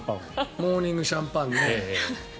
モーニングシャンパンね。